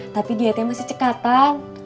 tapi dia masih cekatan